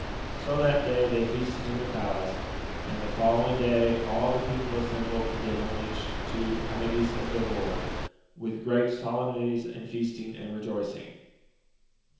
So that day they feasted in the palace, and the following day all the people assembled and did homage to Amadis as their lord, with great solemnities and feasting and rejoicing.